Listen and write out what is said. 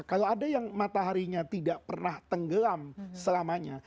kalau ada yang mataharinya tidak pernah tenggelam selamanya